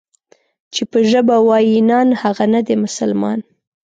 چې په ژبه وای نان، هغه نه دی مسلمان.